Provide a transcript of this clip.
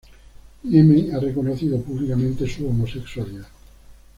Neme ha reconocido públicamente su homosexualidad.